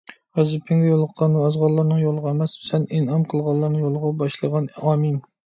غەزىپىڭگە يولۇققان ۋە ئازغانلارنىڭ يولىغا ئەمەس سەن ئىنئام قىلغانلارنىڭ يولىغا باشلىغان.ئامىن